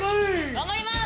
頑張ります！